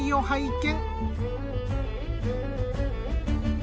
はい。